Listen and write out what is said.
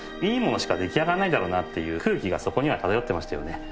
いいものしか出来上がらないんだろうなっていう空気がそこには漂ってましたよね。